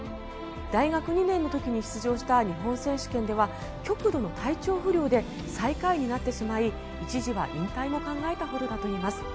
大学２年の時に出場した日本選手権では極度の体調不良で最下位になってしまい一時は引退も考えたほどだといいます。